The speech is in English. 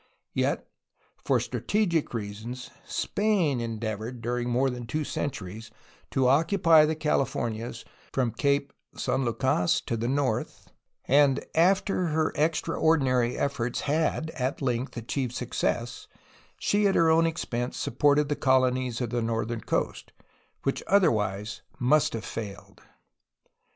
Yet, for strategic reasons, Spain endeavored, during more than two centuries, to occupy the CaHfornias from Cape San Lucas to the north, and after her extraordinary efforts had at length achieved success she at her own expense supported the colonies of the northern coast, which other wise must have failed.